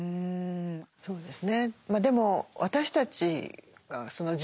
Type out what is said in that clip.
そうですね。